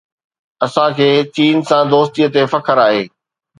اسان کي چين سان دوستي تي فخر آهي.